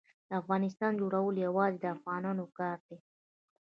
د افغانستان جوړول یوازې د افغانانو کار دی.